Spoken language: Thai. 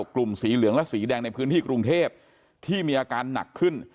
กลุ่มสีเหลืองและสีแดงในพื้นที่กรุงเทพที่มีอาการหนักขึ้น